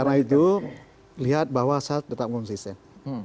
karena itu lihat bahwa saya tetap konsisten